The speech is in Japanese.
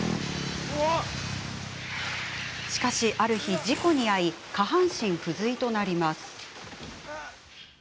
しかし、ある日事故に遭い下半身不随となります。